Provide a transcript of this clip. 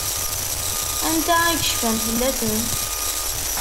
Anta i yecfan fell-asen?